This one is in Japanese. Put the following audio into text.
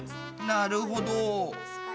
なるほど。